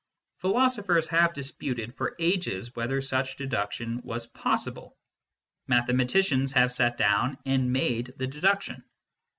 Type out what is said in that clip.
Philosophers have disputed for ages whether such deduction was possible ; mathematicians have sat down and made the deduction.